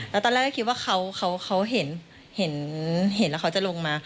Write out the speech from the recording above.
แล้วตอนแรกก็คิดว่าเขาเห็นแล้วเขาจะลงมา